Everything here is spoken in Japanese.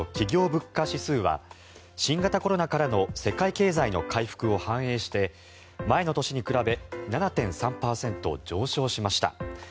物価指数は新型コロナからの世界経済の回復を反映して前の年に比べ７．３％上昇しました。